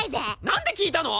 何で聞いたの！？